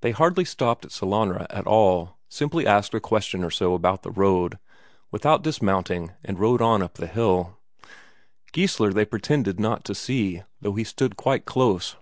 They hardly stopped at Sellanraa at all, simply asked a question or so about the road, without dismounting, and rode on up the hill. Geissler they pretended not to see, though he stood quite close.